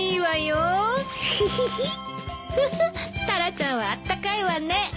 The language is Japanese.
タラちゃんはあったかいわね。